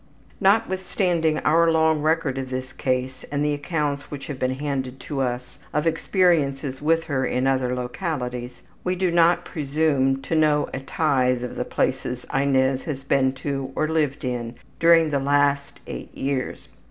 Notwithstanding our long record of this case and the accounts which have been handed in to us of experiences with her in other localities, we do not presume to know a tithe of the places Inez has been to or lived in during the last eight years.